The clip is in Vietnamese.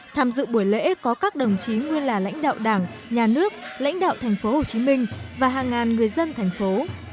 tham dự buổi lễ có các đồng chí nguyên là lãnh đạo đảng nhà nước lãnh đạo tp hcm và hàng ngàn người dân thành phố